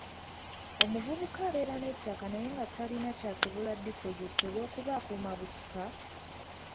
Omuvubuka abeere n'ettaka naye nga talina ky'asobola kulikozesa olw'okuba akuuma busika?